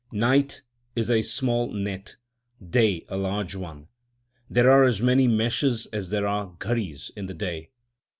Night is a small net, day a large one ; there are as many meshes as there are gharis in the day.